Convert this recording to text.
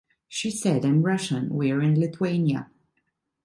She said, I'm Russian, we're in Lithuania.